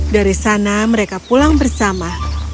dari sana mereka pulang bersama